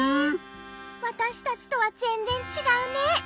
わたしたちとはぜんぜんちがうね。